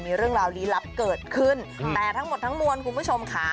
มีเรื่องราวลี้ลับเกิดขึ้นแต่ทั้งหมดทั้งมวลคุณผู้ชมค่ะ